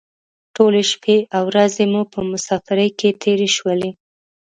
ټولې شپې او ورځې مو په مسافرۍ کې تېرې شولې.